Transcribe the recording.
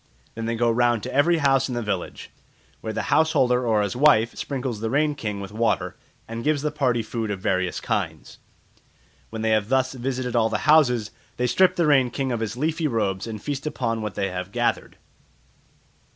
Then they go round to every house in the village, where the house holder or his wife sprinkles the Rain King with water, and gives the party food of various kinds. When they have thus visited all the houses, they strip the Rain King of his leafy robes and feast upon what they have gathered.